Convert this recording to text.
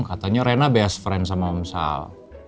katanya rena best friend sama omsal